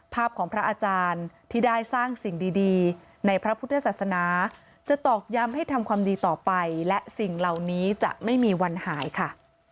พระของพระอาจารย์ที่ได้สร้างสิ่งดีในพระพุทธศาสนาจะตอกย้ำให้ทำความดีต่อไปและสิ่งเหล่านี้จะไม่มีวันหายค่ะ